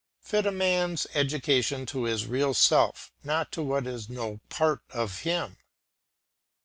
Fit a man's education to his real self, not to what is no part of him.